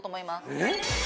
えっ！